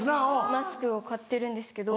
マスクを買ってるんですけど。